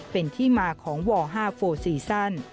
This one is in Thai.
เป็นที่มาของว๕โฟซีซั่น